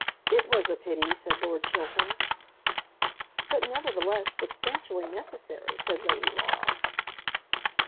"It was a pity," said Lord Chiltern. "But, nevertheless, substantially necessary," said Lady Laura.